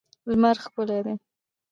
لمر ښکلی دی.